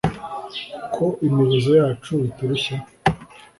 ko imirizo yacu iturushya?